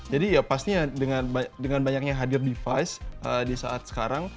jadi ya pastinya dengan banyaknya hadir device di saat sekarang